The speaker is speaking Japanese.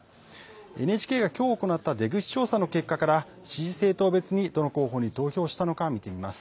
ＮＨＫがきょう行った出口調査の結果から支持政党別にどの候補に投票したのか見てみます。